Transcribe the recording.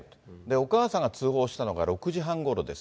お母さんが通報したのが６時半ごろです。